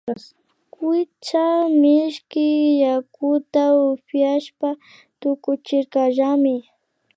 Kuytsa mishki yakuta upiashpa tukuchirkallami